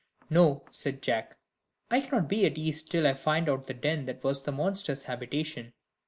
"No," said Jack, "I cannot be at ease till I find out the den that was the monster's habitation."